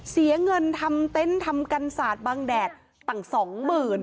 เสียเงินทำเต้นทำกันสาดบางแดดต่าง๒๐๐๐๐